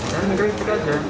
ya mengkritik aja